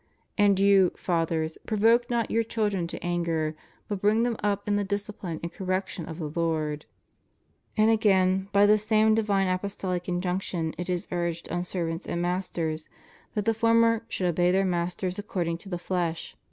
And you, fathers, provoke not your children to anger, but bring them up in the discipline and correction of the Lord} And again by the same divine apostolic injunction it is urged on ser vants and masters that the former should obey their masters according to the flesh